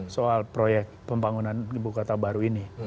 soal proyek pembangunan ibu kota baru ini